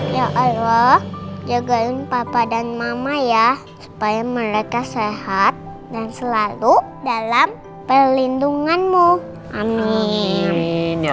ya allah jagain papa dan mama ya supaya mereka sehat dan selalu dalam perlindunganmu amin